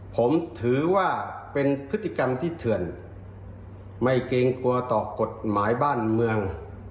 ผมถือว่าเป็นพฤติกรรมที่เถื่อนไม่เกรงกลัวต่อกฎหมายบ้านเมือง